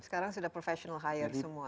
sekarang sudah professional hire semua